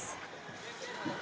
di wilayah jawa tenggara